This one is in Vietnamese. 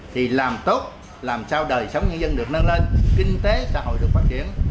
thì làm tốt làm sao đời sống nhân dân được nâng lên kinh tế xã hội được phát triển